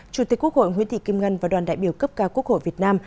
chủ tịch quốc hội nguyễn thị kim ngân và đoàn đại biểu cấp cao quốc hội việt nam